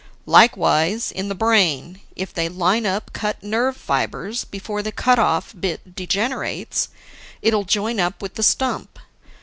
Likewise in the brain, if they line up cut nerve fibers before the cut off bit degenerates, it'll join up with the stump.